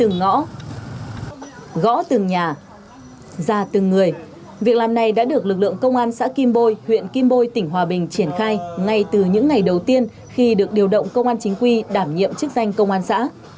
gõ từng nhà ra từng người việc làm này đã được lực lượng công an xã kim bôi huyện kim bôi tỉnh hòa bình triển khai ngay từ những ngày đầu tiên khi được điều động công an chính quy đảm nhiệm chức danh công an xã